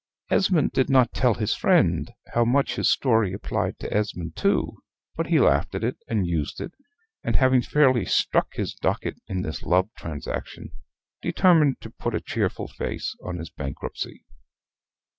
Esmond did not tell his friend how much his story applied to Esmond too; but he laughed at it, and used it; and having fairly struck his docket in this love transaction, determined to put a cheerful face on his bankruptcy.